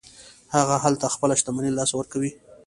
هغه هلته خپله شتمني له لاسه ورکوي.